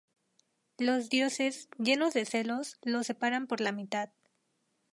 Los dioses, llenos de celos, los separan por la mitad.